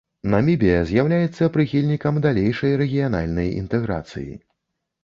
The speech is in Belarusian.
Намібія з'яўляецца прыхільнікам далейшай рэгіянальнай інтэграцыі.